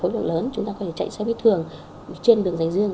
khối lượng lớn chúng ta có thể chạy xe buýt thường trên đường dành riêng